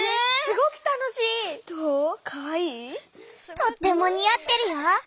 とってもにあってるよ。